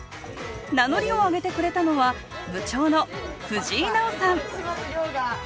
名乗りを上げてくれたのは部長の藤井渚央さん